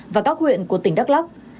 và các huyện của tỉnh đắk lắc